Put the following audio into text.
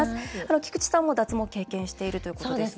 菊地さんも脱毛を経験しているということですが。